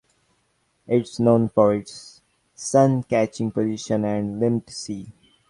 It is known for its sun catching position and limpid sea.